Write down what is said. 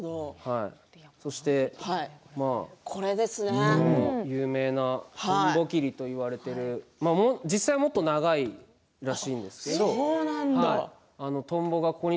そして有名な蜻蛉切と言われている実際もっと長いらしいんですよ。